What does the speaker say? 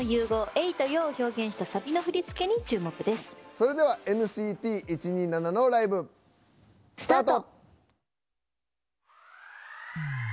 それではＮＣＴ１２７のライブ、スタート。